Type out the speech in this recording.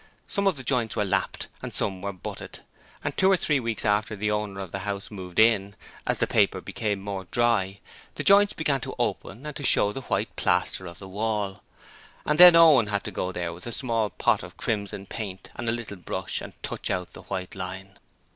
Some of the joints were 'lapped' and some were butted, and two or three weeks after the owner of the house moved in, as the paper became more dry, the joints began to open and to show the white plaster of the wall, and then Owen had to go there with a small pot of crimson paint and a little brush, and touch out the white line.